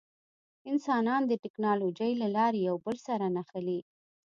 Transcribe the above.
انسانان د ټکنالوجۍ له لارې یو بل سره نښلي.